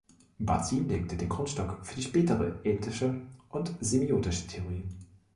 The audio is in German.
Bazin legte den Grundstock für die spätere ethische und semiotische Theorie.